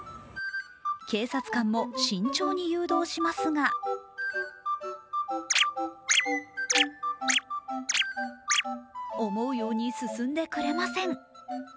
警察官も慎重に誘導しますが思うように進んでくれません。